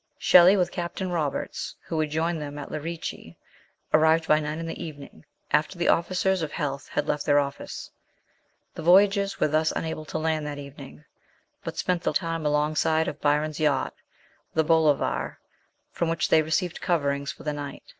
Shelley, with Captain Roberts who had joined him at Lerici, arrived by nine in the evening, after the officers of health had left their 166 MRS. SHELLEY. office. The voyagers were thus unable to land that evening, but spent the time alongside of Byron's yacht, the Bolivar, from which they received coverings for the night.